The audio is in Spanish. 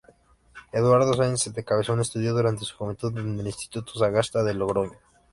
Eduardo Sáenz de Cabezón estudió durante su juventud en el instituto Sagasta de Logroño.